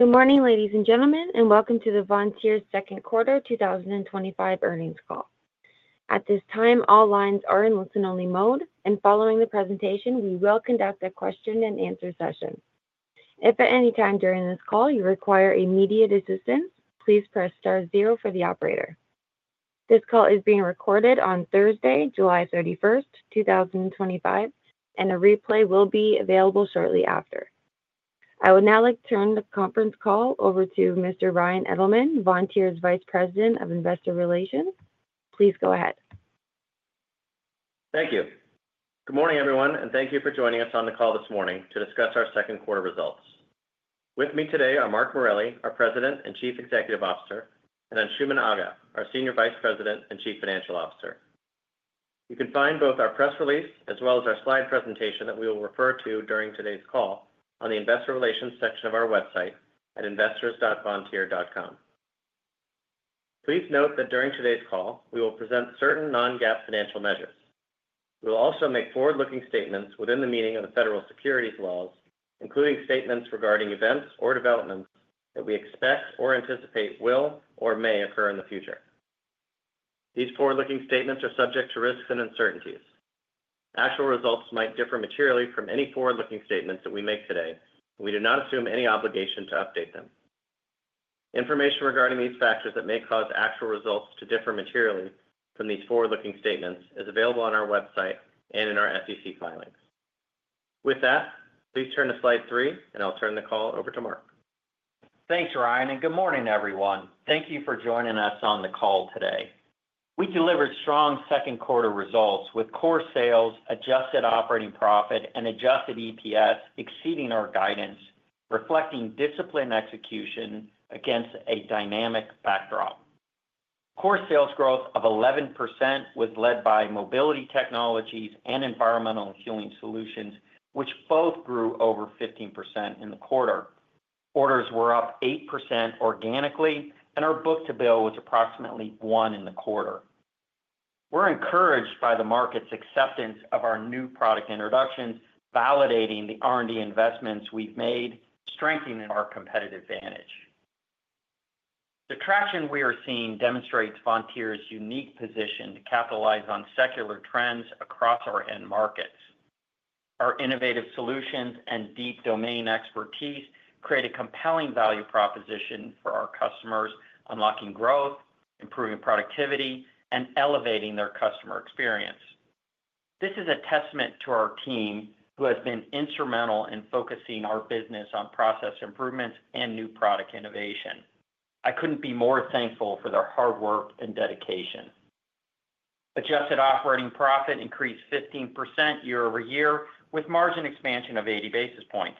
Good morning, ladies and gentlemen, and welcome to Vontier's Second Quarter 2025 Earnings Call. At this time, all lines are in listen-only mode, and following the presentation, we will conduct a question-and-answer session. If at any time during this call you require immediate assistance, please press star zero for the operator. This call is being recorded on Thursday, July 31, 2025, and a replay will be available shortly after. I would now like to turn the conference call over to Mr. Ryan Edelman, Vontier's Vice President of Investor Relations. Please go ahead. Thank you. Good morning, everyone, and thank you for joining us on the call this morning to discuss our second quarter results. With me today are Mark Morelli, our President and Chief Executive Officer, and Anshooman Aga, our Senior Vice President and Chief Financial Officer. You can find both our press release as well as our slide presentation that we will refer to during today's call on the Investor Relations section of our website at investors.vontier.com. Please note that during today's call, we will present certain non-GAAP financial measures. We will also make forward-looking statements within the meaning of the Federal Securities Laws, including statements regarding events or developments that we expect or anticipate will or may occur in the future. These forward-looking statements are subject to risks and uncertainties. Actual results might differ materially from any forward-looking statements that we make today, and we do not assume any obligation to update them. Information regarding these factors that may cause actual results to differ materially from these forward-looking statements is available on our website and in our SEC filings. With that, please turn to slide three, and I'll turn the call over to Mark. Thanks, Ryan, and good morning, everyone. Thank you for joining us on the call today. We delivered strong second quarter results with core sales, adjusted operating profit, and adjusted EPS exceeding our guidance, reflecting disciplined execution against a dynamic backdrop. Core sales growth of 11% was led by Mobility Technologies and Environmental Healing Solutions, which both grew over 15% in the quarter. Orders were up 8% organically, and our book-to-bill was approximately one in the quarter. We're encouraged by the market's acceptance of our new product introductions, validating the R&D investments we've made, strengthening our competitive advantage. The traction we are seeing demonstrates Vontier's unique position to capitalize on secular trends across our end markets. Our innovative solutions and deep domain expertise create a compelling value proposition for our customers, unlocking growth, improving productivity, and elevating their customer experience. This is a testament to our team, who has been instrumental in focusing our business on process improvements and new product innovation. I couldn't be more thankful for their hard work and dedication. Adjusted operating profit increased 15% year-over-year with margin expansion of 80 basis points.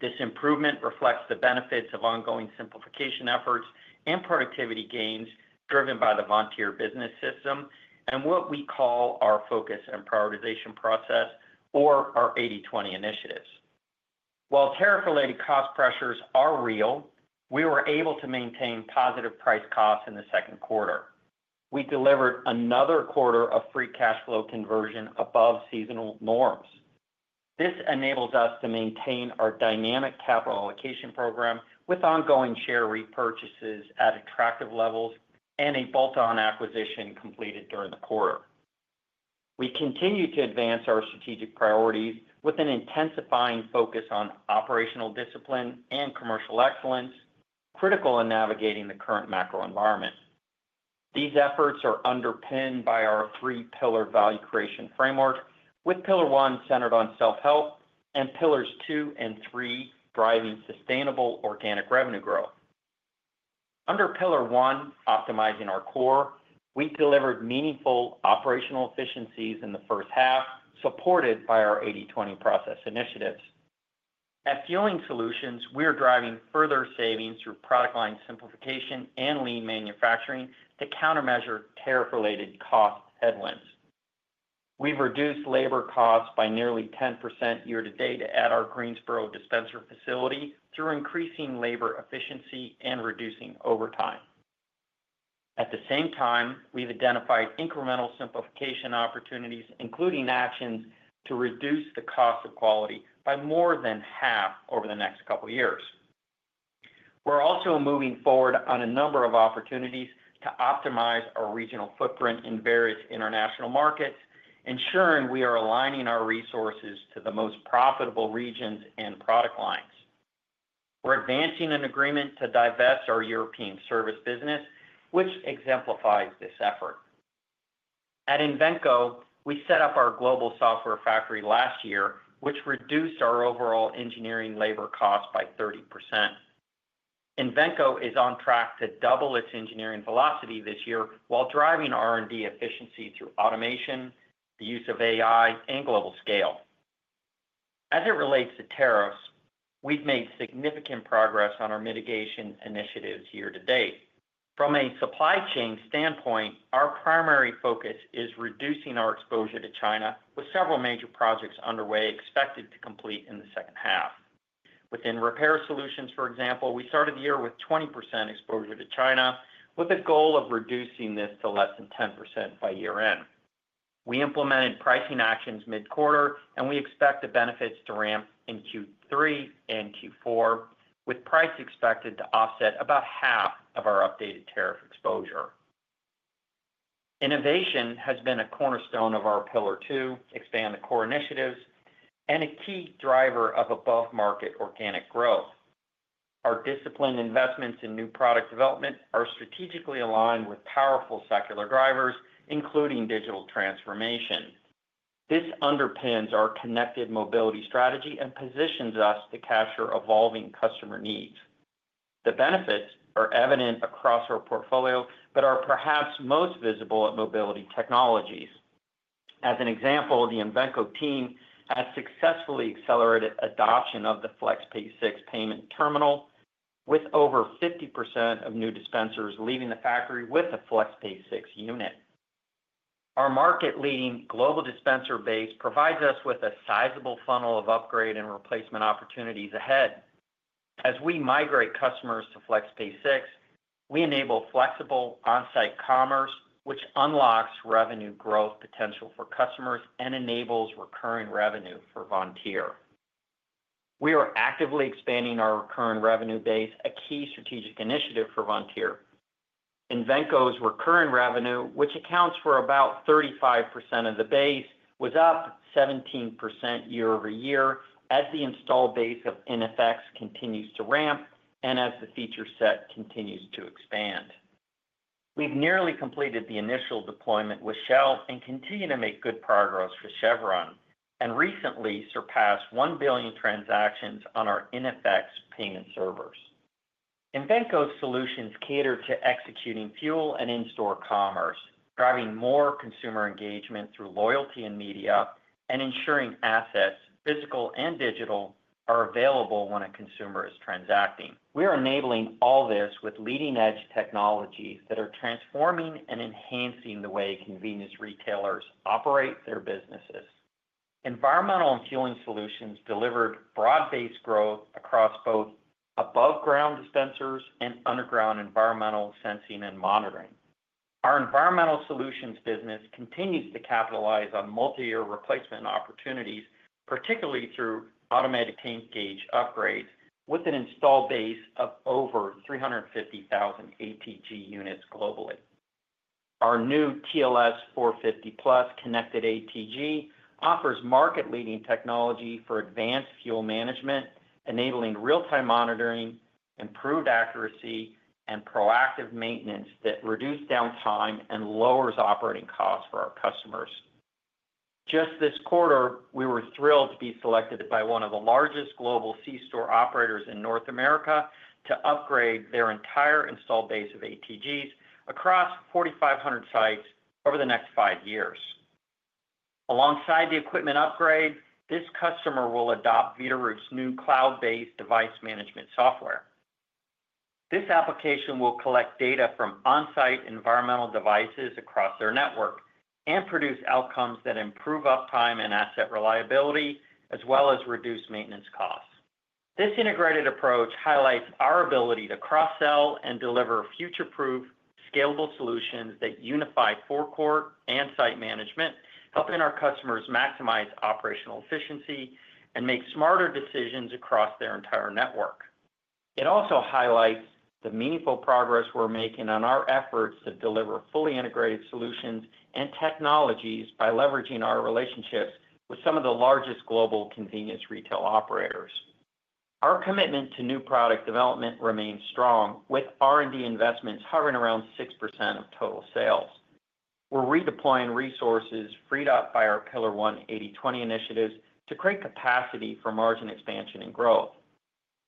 This improvement reflects the benefits of ongoing simplification efforts and productivity gains driven by the Vontier Business System and what we call our focus and prioritization process, or our 80/20 initiatives. While tariff-related cost pressures are real, we were able to maintain positive price costs in the second quarter. We delivered another quarter of free cash flow conversion above seasonal norms. This enables us to maintain our dynamic capital allocation program with ongoing share repurchases at attractive levels and a bolt-on acquisition completed during the quarter. We continue to advance our strategic priorities with an intensifying focus on operational discipline and commercial excellence, critical in navigating the current macro environment. These efforts are underpinned by our three-pillar value creation framework, with Pillar One centered on self-help and Pillars Two and Three driving sustainable organic revenue growth. Under Pillar One, optimizing our core, we delivered meaningful operational efficiencies in the first half, supported by our 80/20 process initiatives. At Vontier, we are driving further savings through product line simplification and lean manufacturing to countermeasure tariff-related cost headwinds. We've reduced labor costs by nearly 10% year-to-date at our Greensboro dispensary facility through increasing labor efficiency and reducing overtime. At the same time, we've identified incremental simplification opportunities, including actions to reduce the cost of quality by more than half over the next couple of years. We're also moving forward on a number of opportunities to optimize our regional footprint in various international markets, ensuring we are aligning our resources to the most profitable regions and product lines. We're advancing an agreement to divest our European service business, which exemplifies this effort. At Inventco, we set up our global software factory last year, which reduced our overall engineering labor costs by 30%. Inventco is on track to double its engineering velocity this year while driving R&D efficiency through automation, the use of AI, and global scale. As it relates to tariffs, we've made significant progress on our mitigation initiatives year to date. From a supply chain standpoint, our primary focus is reducing our exposure to China, with several major projects underway expected to complete in the second half. Within repair solutions, for example, we started the year with 20% exposure to China, with a goal of reducing this to less than 10% by year-end. We implemented pricing actions mid-quarter, and we expect the benefits to ramp in Q3 and Q4, with price expected to offset about half of our updated tariff exposure. Innovation has been a cornerstone of our Pillar Two expand the core initiatives and a key driver of above-market organic growth. Our disciplined investments in new product development are strategically aligned with powerful secular drivers, including digital transformation. This underpins our connected mobility strategy and positions us to capture evolving customer needs. The benefits are evident across our portfolio, but are perhaps most visible at Mobility Technologies. As an example, the Inventco team has successfully accelerated adoption of the FlexPay 6 payment terminal, with over 50% of new dispensers leaving the factory with a FlexPay 6 unit. Our market-leading global dispenser base provides us with a sizable funnel of upgrade and replacement opportunities ahead. As we migrate customers to FlexPay 6 payment terminal, we enable flexible onsite commerce, which unlocks revenue growth potential for customers and enables recurring revenue for Vontier. We are actively expanding our recurring revenue base, a key strategic initiative for Vontier. Invenco's recurring revenue, which accounts for about 35% of the base, was up 17% year-over-year as the install base of NFX payment servers continues to ramp and as the feature set continues to expand. We've nearly completed the initial deployment with Shell and continue to make good progress for Chevron and recently surpassed 1 billion transactions on our NFX payment servers. Invenco's solutions cater to executing fuel and in-store commerce, driving more consumer engagement through loyalty and media, and ensuring assets, physical and digital, are available when a consumer is transacting. We are enabling all this with leading-edge technologies that are transforming and enhancing the way convenience retailers operate their businesses. Environmental and fueling solutions delivered broad-based growth across both above-ground dispensers and underground environmental sensing and monitoring. Our environmental solutions business continues to capitalize on multi-year replacement opportunities, particularly through automatic tank gauge upgrades with an install base of over 350,000 ATG units globally. Our new TLS-450 Plus connected ATG offers market-leading technology for advanced fuel management, enabling real-time monitoring, improved accuracy, and proactive maintenance that reduces downtime and lowers operating costs for our customers. Just this quarter, we were thrilled to be selected by one of the largest global C-Store operators in North America to upgrade their entire install base of ATGs across 4,500 sites over the next five years. Alongside the equipment upgrade, this customer will adopt Veeder-Root's new cloud-based device management software. This application will collect data from onsite environmental devices across their network and produce outcomes that improve uptime and asset reliability, as well as reduce maintenance costs. This integrated approach highlights our ability to cross-sell and deliver future-proof, scalable solutions that unify forecourt and site management, helping our customers maximize operational efficiency and make smarter decisions across their entire network. It also highlights the meaningful progress we're making on our efforts to deliver fully integrated solutions and technologies by leveraging our relationships with some of the largest global convenience retail operators. Our commitment to new product development remains strong, with R&D investments hovering around 6% of total sales. We're redeploying resources freed up by our Pillar One 80/20 initiatives to create capacity for margin expansion and growth.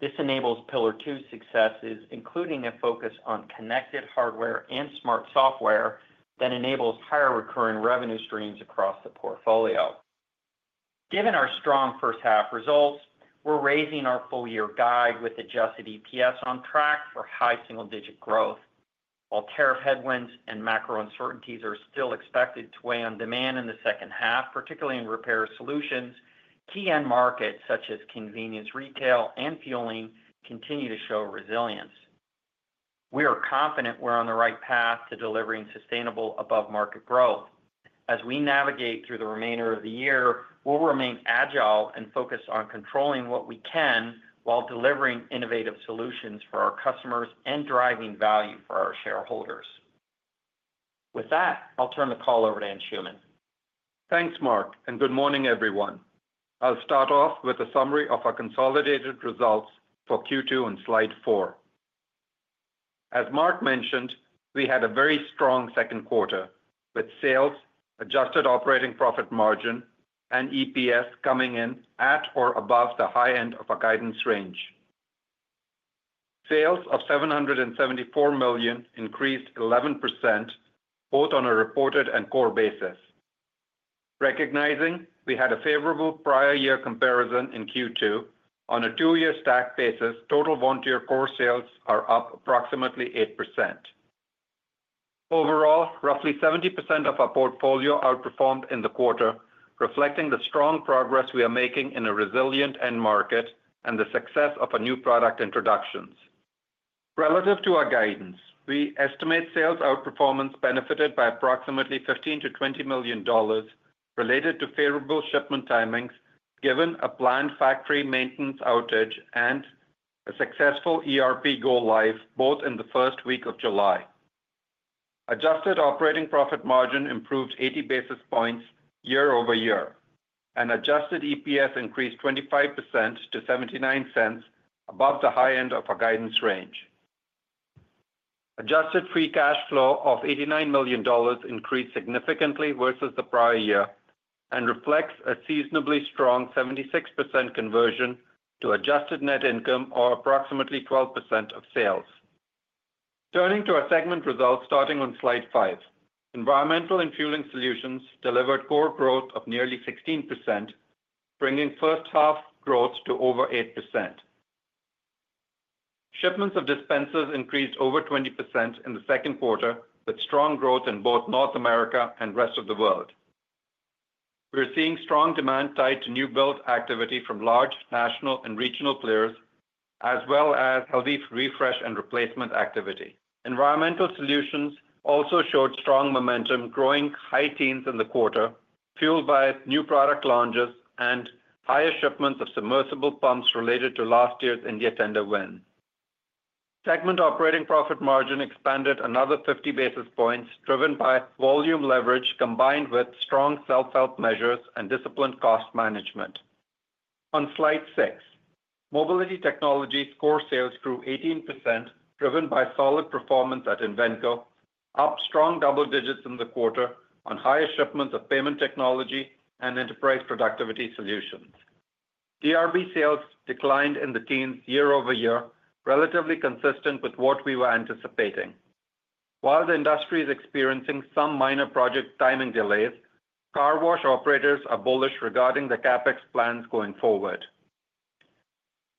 This enables Pillar Two successes, including a focus on connected hardware and smart software that enables higher recurring revenue streams across the portfolio. Given our strong first half results, we're raising our full-year guide with adjusted EPS on track for high single-digit growth. While tariff headwinds and macro uncertainties are still expected to weigh on demand in the second half, particularly in repair solutions, key end markets such as convenience retail and fueling continue to show resilience. We are confident we're on the right path to delivering sustainable above-market growth. As we navigate through the remainder of the year, we'll remain agile and focus on controlling what we can while delivering innovative solutions for our customers and driving value for our shareholders. With that, I'll turn the call over to Anshooman. Thanks, Mark, and good morning, everyone. I'll start off with a summary of our consolidated results for Q2 and slide four. As Mark mentioned, we had a very strong second quarter with sales, adjusted operating profit margin, and EPS coming in at or above the high end of our guidance range. Sales of $774 million increased 11%, both on a reported and core basis. Recognizing we had a favorable prior year comparison in Q2, on a two-year stack basis, total Vontier core sales are up approximately 8%. Overall, roughly 70% of our portfolio outperformed in the quarter, reflecting the strong progress we are making in a resilient end market and the success of our new product introductions. Relative to our guidance, we estimate sales outperformance benefited by approximately $15 million-$20 million related to favorable shipment timings, given a planned factory maintenance outage and a successful ERP go live both in the first week of July. Adjusted operating profit margin improved 80 basis points year-over-year, and adjusted EPS increased 25% to $0.79 above the high end of our guidance range. Adjusted free cash flow of $89 million increased significantly versus the prior year and reflects a seasonably strong 76% conversion to adjusted net income or approximately 12% of sales. Turning to our segment results, starting on slide five, Environmental and Fueling Solutions delivered core growth of nearly 16%, bringing first half growth to over 8%. Shipments of dispensers increased over 20% in the second quarter, with strong growth in both North America and the rest of the world. We're seeing strong demand tied to new build activity from large national and regional players, as well as healthy refresh and replacement activity. Environmental Solutions also showed strong momentum, growing high teens in the quarter, fueled by new product launches and higher shipments of submersible pumps related to last year's India tender win. Segment operating profit margin expanded another 50 basis points, driven by volume leverage combined with strong self-help measures and disciplined cost management. On slide six, Mobility Technologies core sales grew 18%, driven by solid performance at Invenco, up strong double digits in the quarter on higher shipments of payment technology and enterprise productivity solutions. ERV sales declined in the teens year-over-year, relatively consistent with what we were anticipating. While the industry is experiencing some minor project timing delays, car wash operators are bullish regarding the CapEx plans going forward.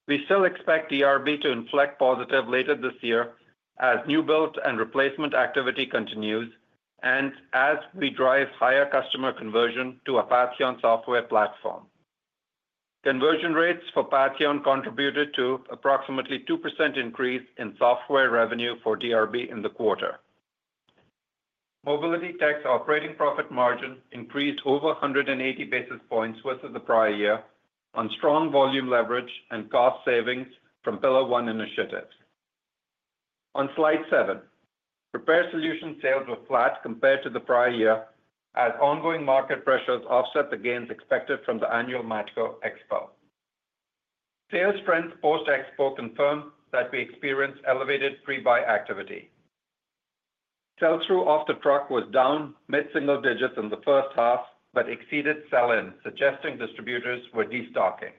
We still expect ERV to inflect positive later this year as new build and replacement activity continues and as we drive higher customer conversion to our Patheon software platform. Conversion rates for Patheon contributed to approximately a 2% increase in software revenue for ERV in the quarter. Mobility Tech's operating profit margin increased over 180 basis points versus the prior year on strong volume leverage and cost savings from Pillar One initiatives. On slide seven, repair solution sales were flat compared to the prior year as ongoing market pressures offset the gains expected from the annual Matco Expo. Sales trends post-Expo confirm that we experienced elevated pre-buy activity. Sell-through off the truck was down mid-single digits in the first half, but exceeded sell-in, suggesting distributors were destocking.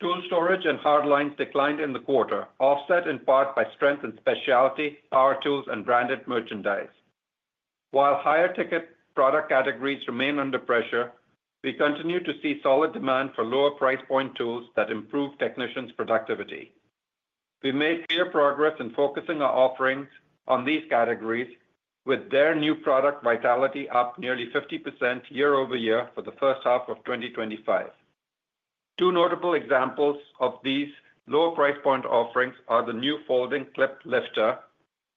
Tool storage and hard lines declined in the quarter, offset in part by strength in specialty, power tools, and branded merchandise. While higher ticket product categories remain under pressure, we continue to see solid demand for lower price point tools that improve technicians' productivity. We made clear progress in focusing our offerings on these categories, with their new product vitality up nearly 50% year-over-year for the first half of 2025. Two notable examples of these lower price point offerings are the new folding clip lifter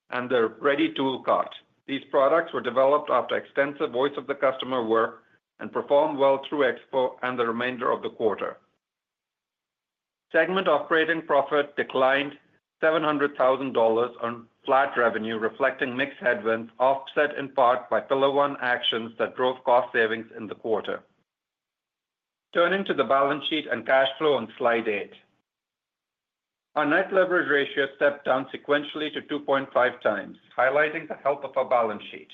and the ready tool cart. These products were developed after extensive voice of the customer work and performed well through Expo and the remainder of the quarter. Segment operating profit declined $700,000 on flat revenue, reflecting mixed headwinds offset in part by Pillar One actions that drove cost savings in the quarter. Turning to the balance sheet and cash flow on slide eight, our net leverage ratio stepped down sequentially to 2.5 times, highlighting the health of our balance sheet.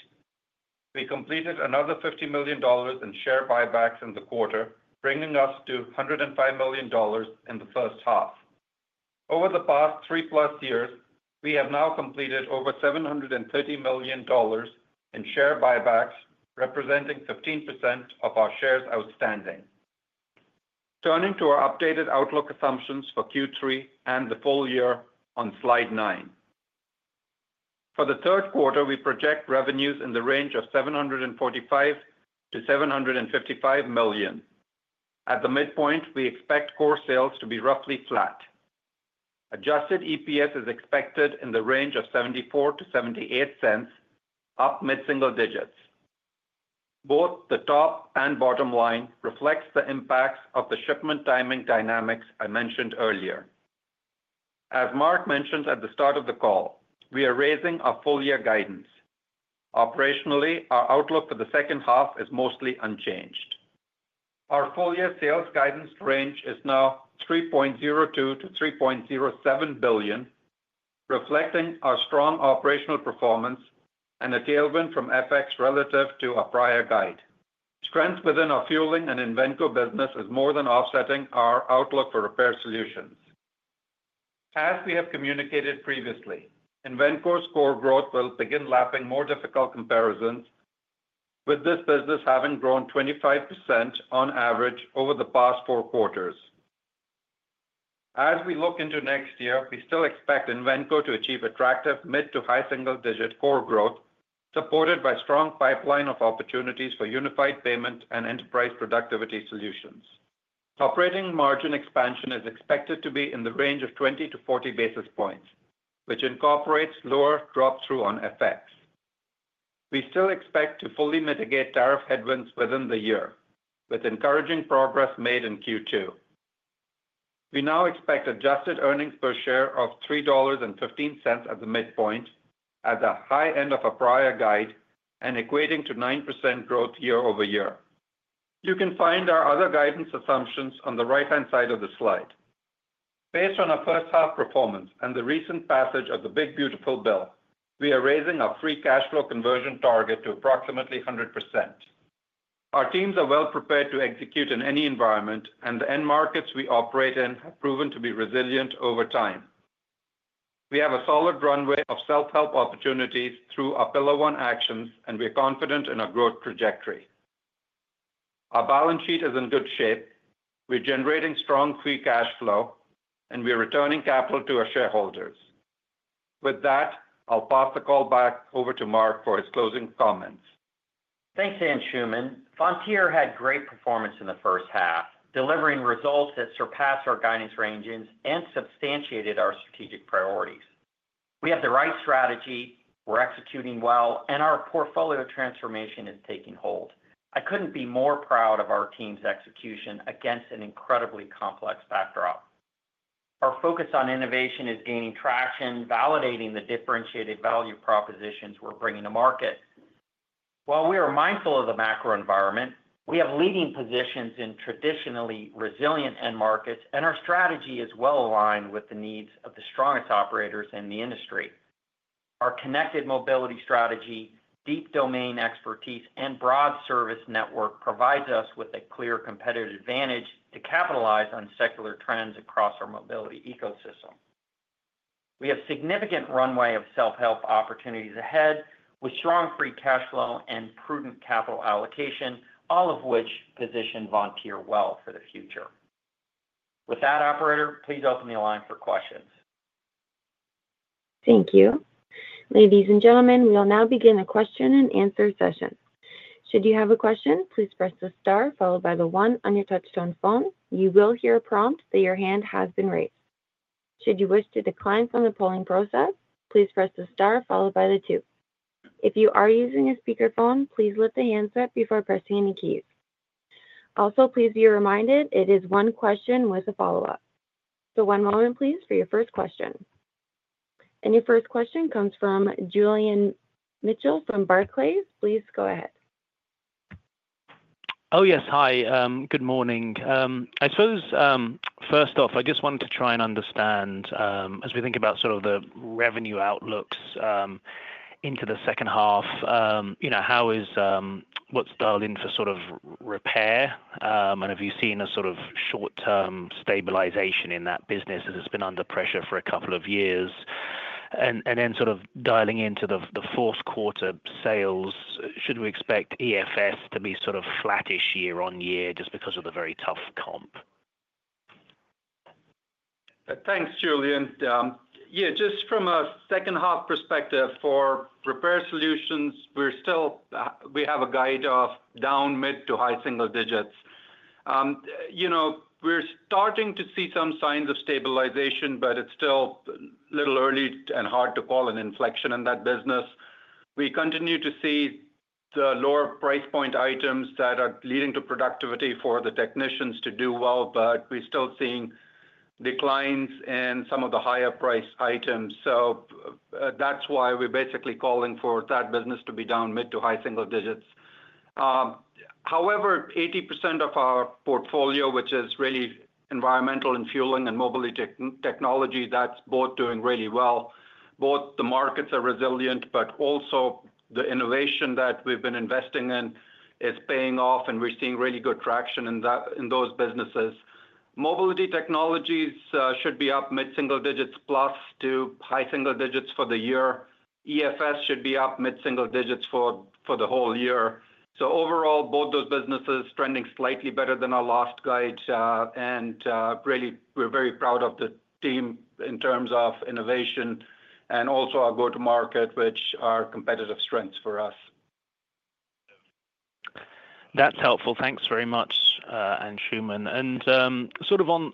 We completed another $50 million in share buybacks in the quarter, bringing us to $105 million in the first half. Over the past three plus years, we have now completed over $730 million in share buybacks, representing 15% of our shares outstanding. Turning to our updated outlook assumptions for Q3 and the full year on slide nine. For the third quarter, we project revenues in the range of $745 million-$755 million. At the midpoint, we expect core sales to be roughly flat. Adjusted EPS is expected in the range of $0.74-$0.78, up mid-single digits. Both the top and bottom line reflect the impacts of the shipment timing dynamics I mentioned earlier. As Mark mentioned at the start of the call, we are raising our full-year guidance. Operationally, our outlook for the second half is mostly unchanged. Our full-year sales guidance range is now $3.02 billion-$3.07 billion, reflecting our strong operational performance and a tailwind from FX relative to our prior guide. Strength within our fueling and Inventco business is more than offsetting our outlook for repair solutions. As we have communicated previously, Inventco's core growth will begin lapping more difficult comparisons, with this business having grown 25% on average over the past four quarters. As we look into next year, we still expect Inventco to achieve attractive mid to high single-digit core growth, supported by a strong pipeline of opportunities for unified payment and enterprise productivity solutions. Operating margin expansion is expected to be in the range of 20-40 basis points, which incorporates lower drop-through on FX. We still expect to fully mitigate tariff headwinds within the year, with encouraging progress made in Q2. We now expect adjusted earnings per share of $3.15 at the midpoint, at the high end of a prior guide and equating to 9% growth year-over-year. You can find our other guidance assumptions on the right-hand side of the slide. Based on our first half performance and the recent passage of the Big Beautiful Bill’s, we are raising our free cash flow conversion target to approximately 100%. Our teams are well prepared to execute in any environment, and the end markets we operate in have proven to be resilient over time. We have a solid runway of self-help opportunities through our Pillar One actions, and we are confident in our growth trajectory. Our balance sheet is in good shape. We're generating strong free cash flow, and we're returning capital to our shareholders. With that, I'll pass the call back over to Mark for his closing comments. Thanks, Anshooman. Vontier had great performance in the first half, delivering results that surpass our guidance ranges and substantiated our strategic priorities. We have the right strategy, we're executing well, and our portfolio transformation is taking hold. I couldn't be more proud of our team's execution against an incredibly complex backdrop. Our focus on innovation is gaining traction, validating the differentiated value propositions we're bringing to market. While we are mindful of the macro environment, we have leading positions in traditionally resilient end markets, and our strategy is well aligned with the needs of the strongest operators in the industry. Our connected mobility strategy, deep domain expertise, and broad service network provide us with a clear competitive advantage to capitalize on secular trends across our mobility ecosystem. We have significant runway of self-help opportunities ahead, with strong free cash flow and prudent capital allocation, all of which position Vontier well for the future. With that, operator, please open the line for questions. Thank you. Ladies and gentlemen, we will now begin the question and answer session. Should you have a question, please press the star followed by the one on your touch-tone phone. You will hear a prompt that your hand has been raised. Should you wish to decline from the polling process, please press the star followed by the two. If you are using a speaker phone, please lift the handset before pressing any keys. Also, please be reminded it is one question with a follow-up. One moment, please, for your first question. Your first question comes from Julian Mitchell from Barclays. Please go ahead. Oh, yes. Good morning. I suppose, first off, I just wanted to try and understand, as we think about sort of the revenue outlooks into the second half, you know, how is what's dialed in for sort of repair? Have you seen a sort of short-term stabilization in that business as it's been under pressure for a couple of years? Dialing into the fourth quarter sales, should we expect EFS to be sort of flattish year-on-year just because of the very tough comp? Thanks, Julian. Yeah, just from a second half perspective for repair solutions, we have a guide of down mid to high single digits. We're starting to see some signs of stabilization, but it's still a little early and hard to call an inflection in that business. We continue to see the lower price point items that are leading to productivity for the technicians do well, but we're still seeing declines in some of the higher priced items. That's why we're basically calling for that business to be down mid to high single digits. However, 80% of our portfolio, which is really environmental and fueling and mobility technology, is both doing really well. Both the markets are resilient, and the innovation that we've been investing in is paying off, and we're seeing really good traction in those businesses. Mobility technologies should be up mid-single digits plus to high single digits for the year. EFS should be up mid-single digits for the whole year. Overall, both those businesses are trending slightly better than our last guide, and we're very proud of the team in terms of innovation and also our go-to-market, which are competitive strengths for us. That's helpful. Thanks very much, Anshooman.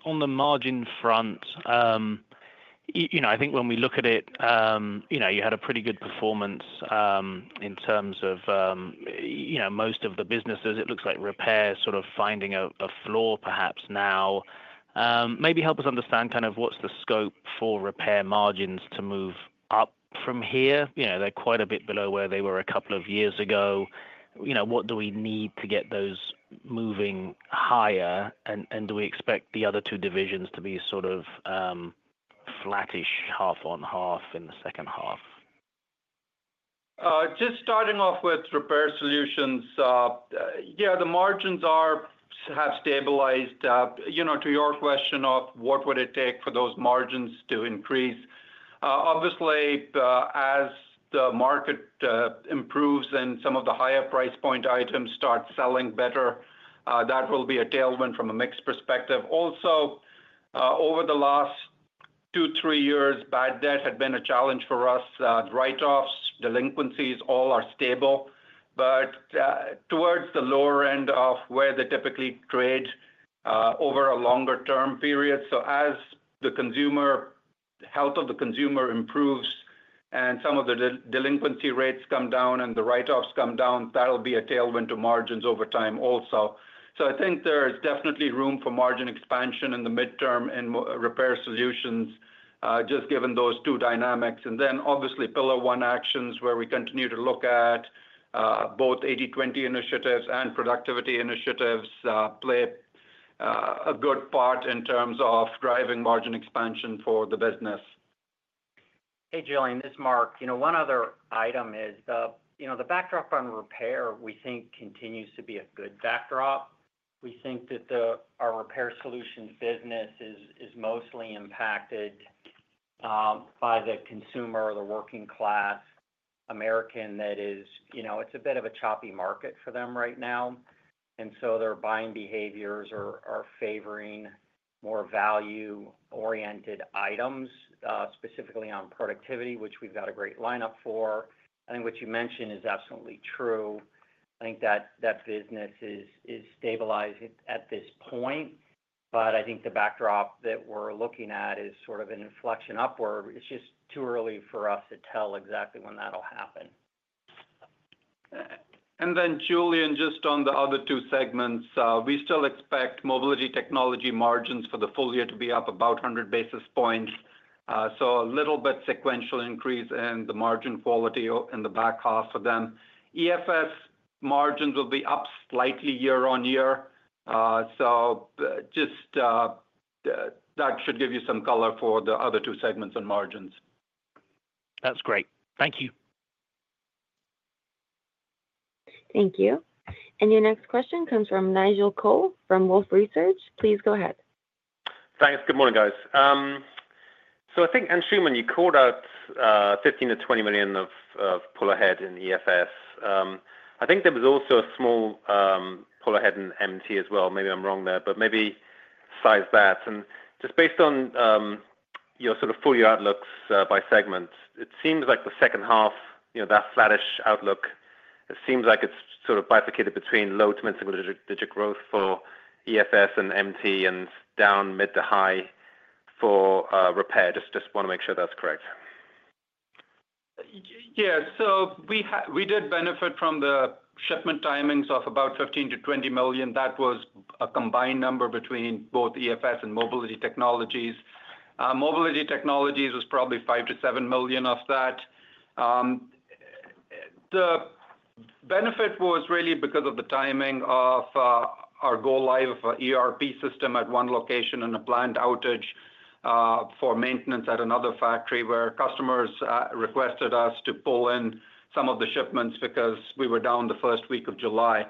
On the margin front, I think when we look at it, you had a pretty good performance in terms of most of the businesses. It looks like repair is sort of finding a floor perhaps now. Maybe help us understand kind of what's the scope for repair margins to move up from here. They're quite a bit below where they were a couple of years ago. What do we need to get those moving higher? Do we expect the other two divisions to be sort of flattish half on half in the second half? Just starting off with repair solutions, yeah, the margins are perhaps stabilized. To your question of what would it take for those margins to increase, obviously, as the market improves and some of the higher price point items start selling better, that will be a tailwind from a mixed perspective. Also, over the last two, three years, bad debt had been a challenge for us. Write-offs, delinquencies, all are stable, but towards the lower end of where they typically trade over a longer term period. As the health of the consumer improves and some of the delinquency rates come down and the write-offs come down, that'll be a tailwind to margins over time also. I think there is definitely room for margin expansion in the midterm in repair solutions, just given those two dynamics. Obviously, Pillar One actions where we continue to look at both 80/20 initiatives and productivity initiatives play a good part in terms of driving margin expansion for the business. Hey, Julian, this is Mark. One other item is the backdrop on repair. We think it continues to be a good backdrop. We think that our repair solutions business is mostly impacted by the consumer or the working-class American. That is, you know, it's a bit of a choppy market for them right now, so their buying behaviors are favoring more value-oriented items, specifically on productivity, which we've got a great lineup for. I think what you mentioned is absolutely true. I think that business is stabilizing at this point. I think the backdrop that we're looking at is sort of an inflection upward. It's just too early for us to tell exactly when that'll happen. Julian, just on the other two segments, we still expect mobility technology margins for the full year to be up about 100 basis points. There will be a little bit of sequential increase in the margin quality in the back half for them. EFS margins will be up slightly year-on-year. That should give you some color for the other two segments on margins. That's great. Thank you. Thank you. Your next question comes from Nigel Coe from Wolfe Research. Please go ahead. Thanks. Good morning, guys. I think, Anshooman, you called out $15 million-$20 million of pull ahead in EFS. I think there was also a small pull ahead in MT as well. Maybe I'm wrong there, but maybe size that. Just based on your sort of full-year outlooks by segment, it seems like the second half, you know, that flattish outlook, it seems like it's sort of bifurcated between low to mid-single digit growth for EFS and MT and down mid to high for repair. Just want to make sure that's correct. Yeah. We did benefit from the shipment timings of about $15 million-$20 million. That was a combined number between both EFS and Mobility Technologies. Mobility Technologies was probably $5 million-$7 million of that. The benefit was really because of the timing of our go-live of our ERP system at one location and a planned outage for maintenance at another factory where customers requested us to pull in some of the shipments because we were down the first week of July.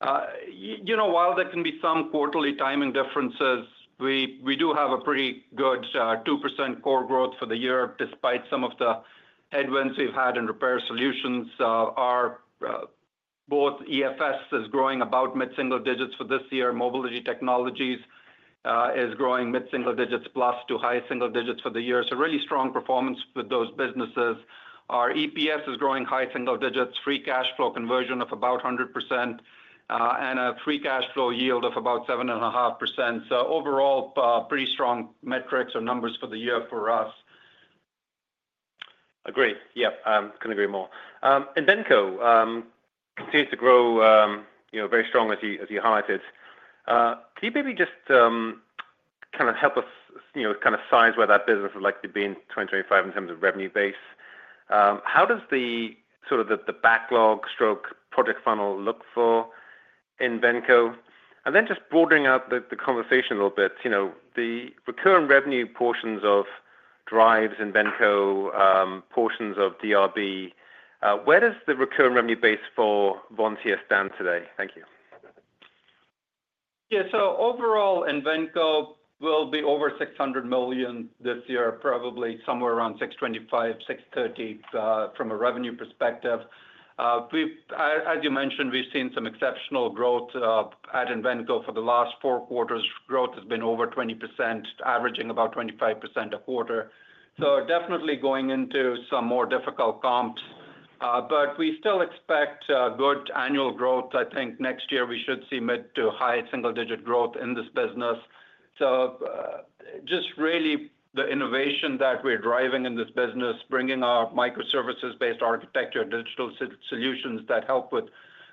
While there can be some quarterly timing differences, we do have a pretty good 2% core growth for the year despite some of the headwinds we've had in repair solutions. Both EFS is growing about mid-single digits for this year. Mobility Technologies is growing mid-single digits plus to high single digits for the year. Really strong performance with those businesses. Our EPS is growing high single digits, free cash flow conversion of about 100%, and a free cash flow yield of about 7.5%. Overall, pretty strong metrics or numbers for the year for us. Agreed. Yeah, couldn't agree more. Inventco continues to grow very strong, as you highlighted. Can you maybe just kind of help us size where that business would like to be in 2025 in terms of revenue base? How does the sort of the backlog stroke project funnel look for Inventco? Just broadening out the conversation a little bit, you know, the recurring revenue portions of Driivz, Inventco, portions of DRB, where does the recurring revenue base for Vontier stand today? Thank you. Yeah. Overall, Inventco will be over $600 million this year, probably somewhere around $625 million, $630 million from a revenue perspective. As you mentioned, we've seen some exceptional growth at Inventco for the last four quarters. Growth has been over 20%, averaging about 25% a quarter. We are definitely going into some more difficult comps, but we still expect good annual growth. I think next year we should see mid to high single-digit growth in this business. Just really the innovation that we're driving in this business, bringing our microservices-based architecture, digital solutions that help with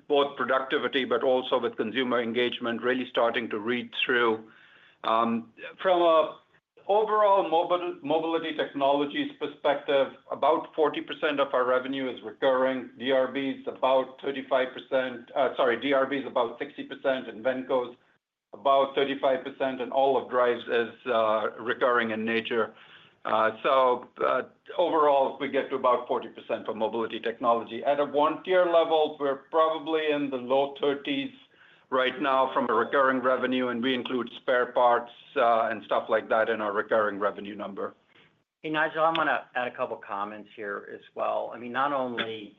both productivity but also with consumer engagement, really starting to read through. From an overall Mobility Technologies perspective, about 40% of our revenue is recurring. DRB is about 60%, and Inventco is about 35%, and all of Driivz is recurring in nature. Overall, we get to about 40% for Mobility Technology. At a Vontier level, we're probably in the low 30s right now from a recurring revenue, and we include spare parts and stuff like that in our recurring revenue number. Hey, Nigel, I want to add a couple of comments here as well. I mean, not only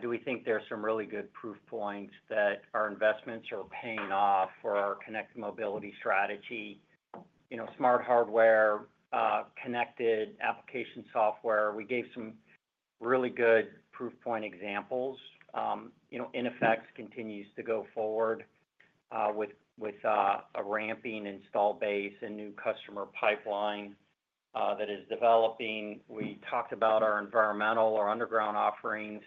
do we think there's some really good proof points that our investments are paying off for our connected mobility strategy, you know, smart hardware, connected application software. We gave some really good proof point examples. NFX continues to go forward with a ramping install base and new customer pipeline that is developing. We talked about our environmental or underground offerings.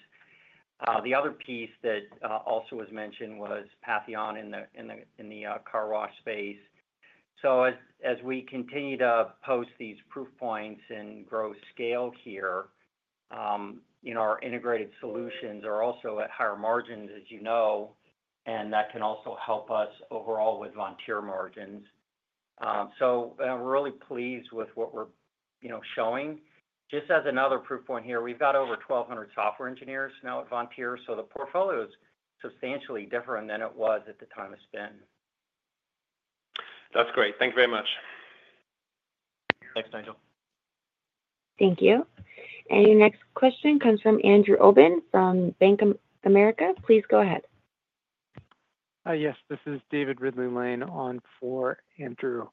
The other piece that also was mentioned was Patheon in the car wash space. As we continue to post these proof points and grow scale here, our integrated solutions are also at higher margins, as you know, and that can also help us overall with Vontier margins. We're really pleased with what we're showing. Just as another proof point here, we've got over 1,200 software engineers now at Vontier. The portfolio is substantially different than it was at the time of spin. That's great. Thank you very much. Thanks, Nigel. Thank you. Your next question comes from Andrew Obin from Bank of America. Please go ahead. Hi, yes. This is David Ridley-Lane on for Andrew.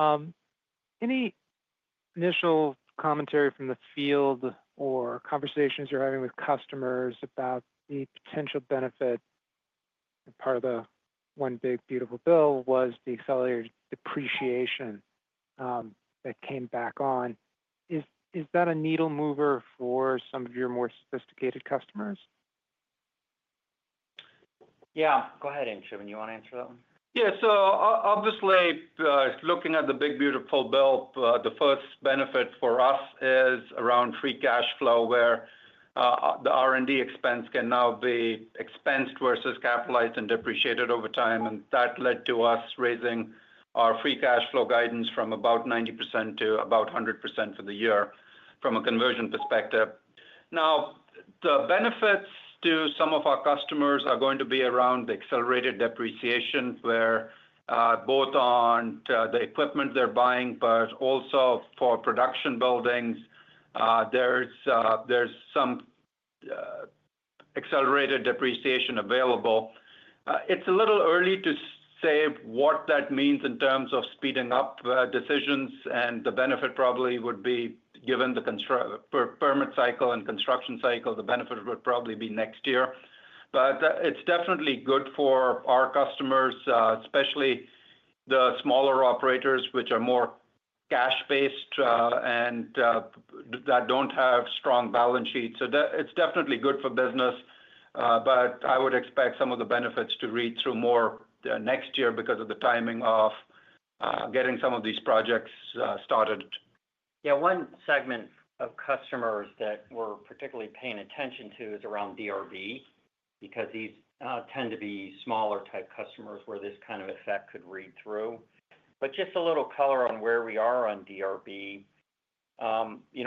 Any initial commentary from the field or conversations you're having with customers about the potential benefit? Part of the one Big Beautiful Bill was the accelerated depreciation that came back on. Is that a needle mover for some of your more sophisticated customers? Yeah, go ahead, Anshooman. You want to answer that one? Yeah. Obviously, looking at the Big Beautiful Bill, the first benefit for us is around free cash flow where the R&D expense can now be expensed versus capitalized and depreciated over time. That led to us raising our free cash flow guidance from about 90% to about 100% for the year from a conversion perspective. The benefits to some of our customers are going to be around the accelerated depreciation where both on the equipment they're buying, but also for production buildings, there's some accelerated depreciation available. It's a little early to say what that means in terms of speeding up decisions, and the benefit probably would be, given the permit cycle and construction cycle, the benefit would probably be next year. It's definitely good for our customers, especially the smaller operators which are more cash-based and that don't have strong balance sheets. It's definitely good for business, but I would expect some of the benefits to read through more next year because of the timing of getting some of these projects started. Yeah, one segment of customers that we're particularly paying attention to is around DRB because these tend to be smaller type customers where this kind of effect could read through. Just a little color on where we are on DRB.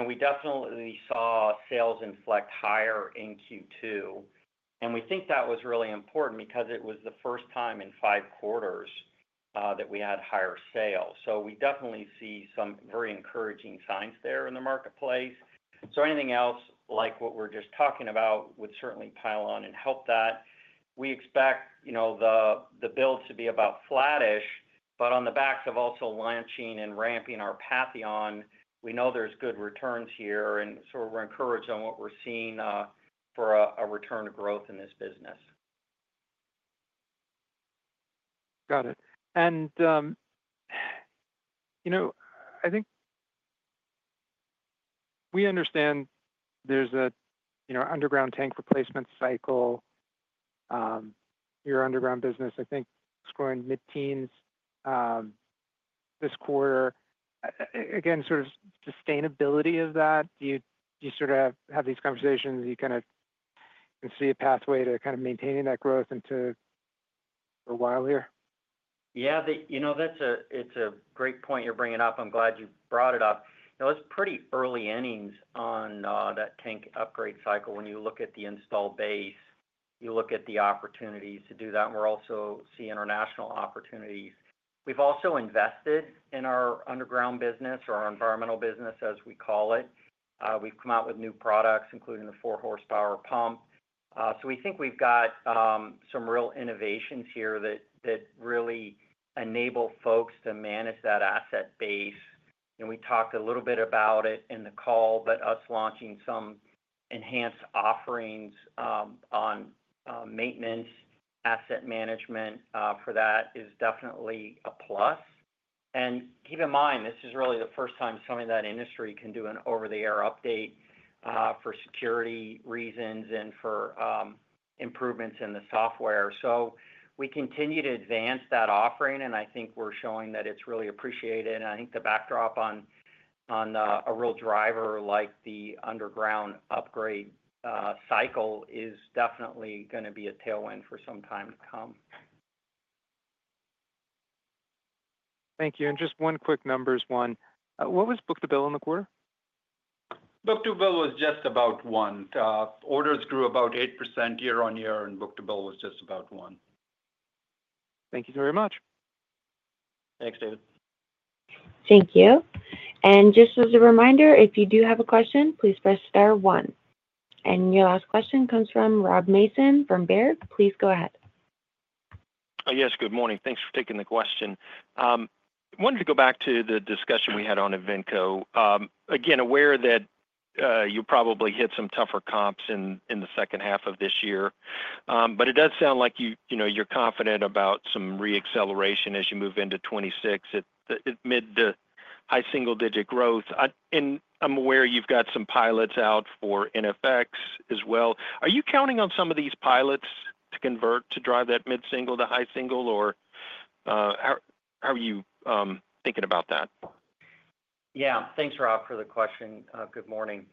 We definitely saw sales inflect higher in Q2, and we think that was really important because it was the first time in five quarters that we had higher sales. We definitely see some very encouraging signs there in the marketplace. Anything else like what we're just talking about would certainly pile on and help that. We expect the build to be about flattish, but on the backs of also launching and ramping our Patheon, we know there's good returns here, and we're encouraged on what we're seeing for a return to growth in this business. Got it. I think we understand there's an underground tank replacement cycle. Your underground business, I think, is growing mid-teens this quarter. Again, sort of sustainability of that. Do you have these conversations? Do you see a pathway to maintaining that growth for a while here? Yeah, you know, that's a great point you're bringing up. I'm glad you brought it up. It was pretty early innings on that tank upgrade cycle. When you look at the install base, you look at the opportunities to do that, and we're also seeing international opportunities. We've also invested in our underground business or our environmental business, as we call it. We've come out with new products, including the four horsepower pump. We think we've got some real innovations here that really enable folks to manage that asset base. We talked a little bit about it in the call, but us launching some enhanced offerings on maintenance asset management for that is definitely a plus. Keep in mind, this is really the first time something that industry can do an over-the-air update for security reasons and for improvements in the software. We continue to advance that offering, and I think we're showing that it's really appreciated. I think the backdrop on a real driver like the underground upgrade cycle is definitely going to be a tailwind for some time to come. Thank you. Just one quick numbers one, what was book to bill in the quarter? Book to bill was just about one. Orders grew about 8% year-on-year, and book to bill was just about one. Thank you very much. Thanks, David. Thank you. Just as a reminder, if you do have a question, please press star one. Your last question comes from Rob Mason from Baird. Please go ahead. Yes, good morning. Thanks for taking the question. I wanted to go back to the discussion we had on Inventco. I am aware that you probably hit some tougher comps in the second half of this year, but it does sound like you're confident about some re-acceleration as you move into 2026 at mid to high single digit growth. I'm aware you've got some pilots out for NFX as well. Are you counting on some of these pilots to convert to drive that mid-single to high single, or how are you thinking about that? Yeah, thanks, Rob, for the question. Good morning.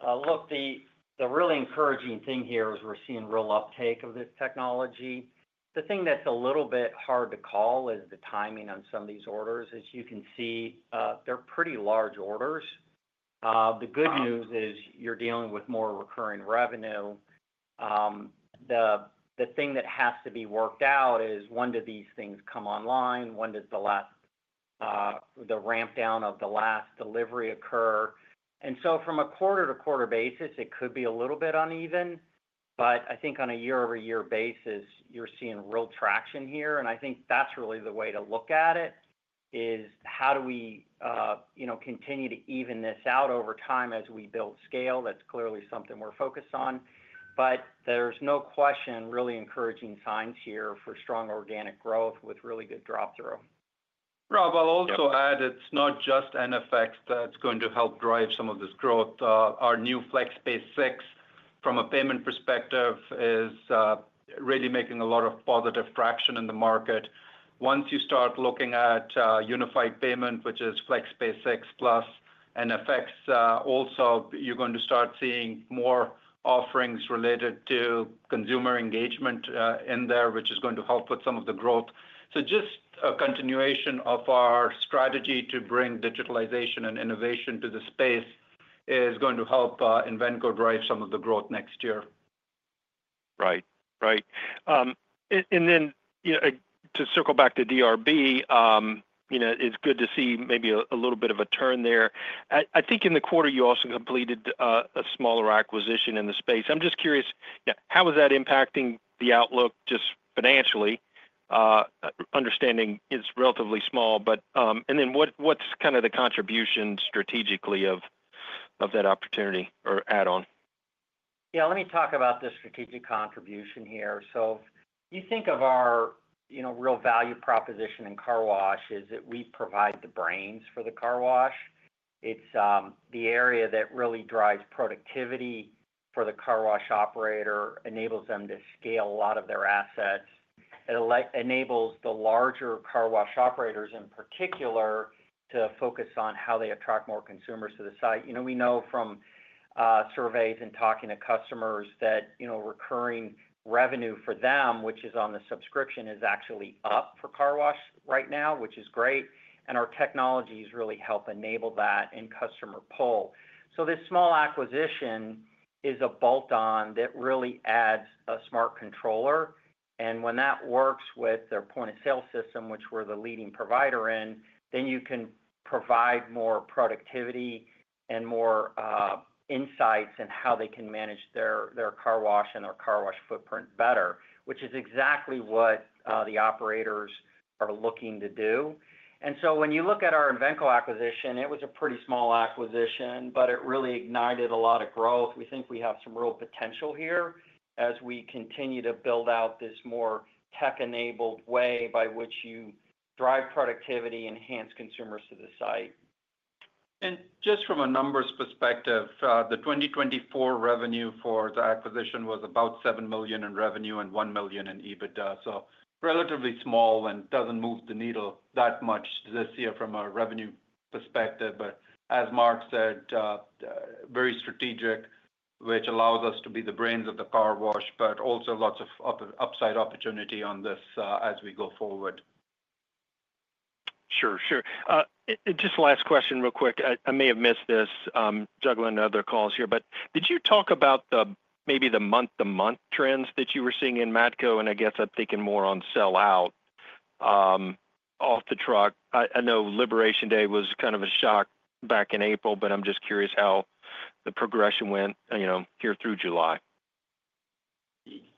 The really encouraging thing here is we're seeing real uptake of this technology. The thing that's a little bit hard to call is the timing on some of these orders. As you can see, they're pretty large orders. The good news is you're dealing with more recurring revenue. The thing that has to be worked out is when do these things come online? When does the ramp down of the last delivery occur? From a quarter-to-quarter basis, it could be a little bit uneven, but I think on a year-over-year basis, you're seeing real traction here. I think that's really the way to look at it is how do we, you know, continue to even this out over time as we build scale? That's clearly something we're focused on. There's no question really encouraging signs here for strong organic growth with really good drop-through. Rob, I'll also add it's not just NFX that's going to help drive some of this growth. Our new FlexPay 6 from a payment perspective is really making a lot of positive traction in the market. Once you start looking at unified payment, which is FlexPay 6 plus NFX, you're also going to start seeing more offerings related to consumer engagement in there, which is going to help with some of the growth. Just a continuation of our strategy to bring digitalization and innovation to the space is going to help Inventco drive some of the growth next year. Right, right. To circle back to DRB, it's good to see maybe a little bit of a turn there. I think in the quarter you also completed a smaller acquisition in the space. I'm just curious, how is that impacting the outlook financially? Understanding it's relatively small, what's the contribution strategically of that opportunity or add-on? Let me talk about the strategic contribution here. If you think of our real value proposition in car wash, it is that we provide the brains for the car wash. It's the area that really drives productivity for the car wash operator and enables them to scale a lot of their assets. It enables the larger car wash operators in particular to focus on how they attract more consumers to the site. We know from surveys and talking to customers that recurring revenue for them, which is on the subscription, is actually up for car wash right now, which is great. Our technologies really help enable that and customer pull. This small acquisition is a bolt-on that really adds a smart controller. When that works with their point-of-sale system, which we're the leading provider in, you can provide more productivity and more insights in how they can manage their car wash and their car wash footprint better, which is exactly what the operators are looking to do. When you look at our Inventco acquisition, it was a pretty small acquisition, but it really ignited a lot of growth. We think we have some real potential here as we continue to build out this more tech-enabled way by which you drive productivity and enhance consumers to the site. From a numbers perspective, the 2024 revenue for the acquisition was about $7 million in revenue and $1 million in EBITDA. It is relatively small and does not move the needle that much this year from a revenue perspective. As Mark said, it is very strategic, which allows us to be the brains of the car wash, but also lots of upside opportunity on this as we go forward. Sure. Just the last question real quick. I may have missed this juggling other calls here, but did you talk about maybe the month-to-month trends that you were seeing in Matco? I guess I'm thinking more on sell-out off the truck. I know Liberation Day was kind of a shock back in April, but I'm just curious how the progression went here through July.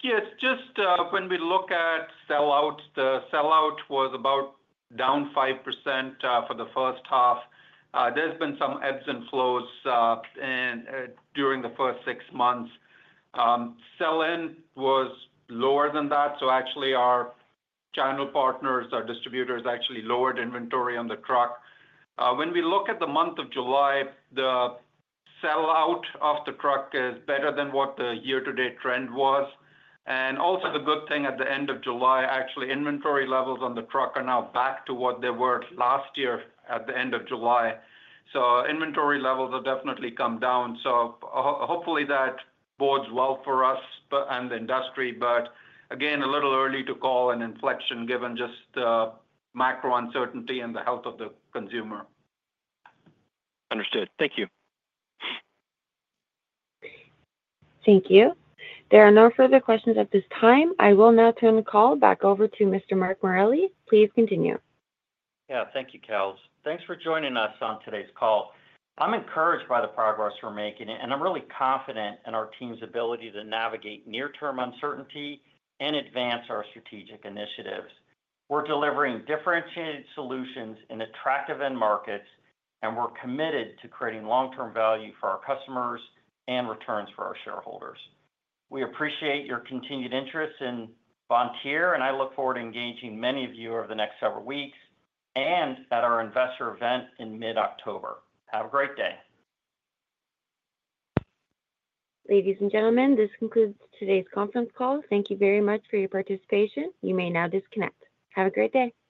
Yes, just when we look at sell-out, the sell-out was about down 5% for the first half. There have been some ebbs and flows during the first six months. Sell-in was lower than that. Our channel partners, our distributors, actually lowered inventory on the truck. When we look at the month of July, the sell-out off the truck is better than what the year-to-date trend was. The good thing at the end of July, inventory levels on the truck are now back to what they were last year at the end of July. Inventory levels have definitely come down. Hopefully that bodes well for us and the industry. Again, a little early to call an inflection given just the macro uncertainty and the health of the consumer. Understood. Thank you. Thank you. There are no further questions at this time. I will now turn the call back over to Mr. Mark Morelli. Please continue. Yeah, thank you, Kells. Thanks for joining us on today's call. I'm encouraged by the progress we're making, and I'm really confident in our team's ability to navigate near-term uncertainty and advance our strategic initiatives. We're delivering differentiated solutions in attractive end markets, and we're committed to creating long-term value for our customers and returns for our shareholders. We appreciate your continued interest in Vontier, and I look forward to engaging many of you over the next several weeks and at our investor event in mid-October. Have a great day. Ladies and gentlemen, this concludes today's conference call. Thank you very much for your participation. You may now disconnect. Have a great day.